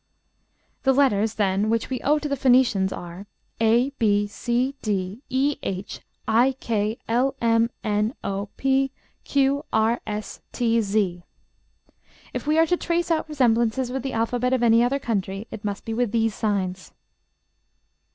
The letters, then, which we owe to the Phoenicians, are A, B, C, D, E, H, I, K, L, M, N, O, P, Q, R, S, T, Z. If we are to trace out resemblances with the alphabet of any other country, it must be with these signs.